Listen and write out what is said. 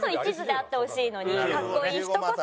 かっこいい人こそ。